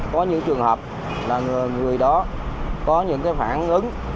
có những trường hợp là người đó có những phản ứng